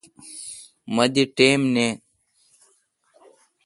مہ دی ٹئم نین۔